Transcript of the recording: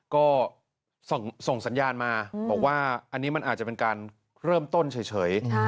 ก็ส่งสัญญาณมาบอกว่าอันนี้มันอาจจะเป็นการเริ่มต้นเฉย